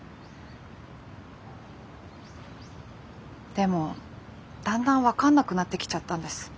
でもだんだん分かんなくなってきちゃったんです。